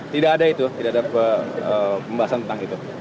tidak ada itu tidak ada pembahasan tentang itu